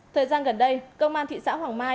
thời gian gần đây công an thị xã hoàng mai